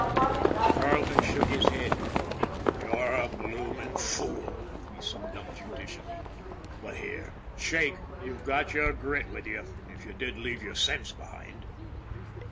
But Carleton shook his head. " You're a bloomin' fool," he summed up judicially, "but here, shake! You've got your grit with you, if you did leave your sense behind."